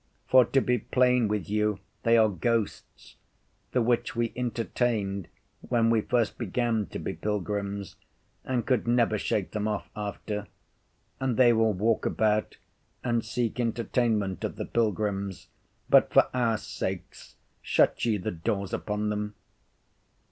For to be plain with you, they are ghosts, the which we entertained when we first began to be pilgrims, and could never shake them off after; and they will walk about and seek entertainment of the pilgrims, but for our sakes shut ye the doors upon them.